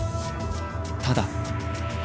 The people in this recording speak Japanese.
ただ」。